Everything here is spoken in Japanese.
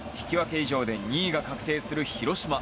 以上で２位が確定する広島。